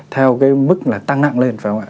theo cái mức là tăng nặng lên phải không ạ